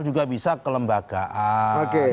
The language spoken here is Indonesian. juga bisa kelembagaan